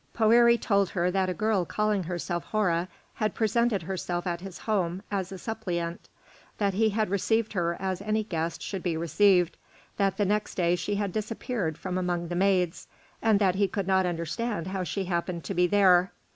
Poëri told her that a girl calling herself Hora had presented herself at his home as a suppliant; that he had received her as any guest should be received; that the next day she had disappeared from among the maids, and that he could not understand how she happened to be there.